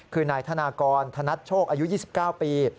คือนายธนากรธนัดโชคอายุ๒๙ปี